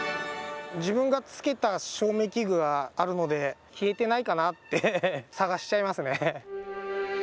自分がつけた照明器具があるので消えてないかなって探しちゃいますね。